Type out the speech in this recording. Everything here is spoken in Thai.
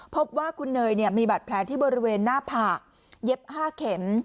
พบว่าคุณเนยเนี่ยมีบัตรแผลที่บริเวณหน้าผากเย็บห้าเข็ม